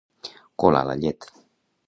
Colar la llet.